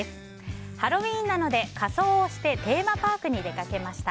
ハロウィーンなので仮装をしてテーマパークに出かけました。